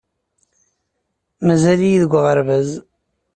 Mazal-iyi deg uɣerbaz.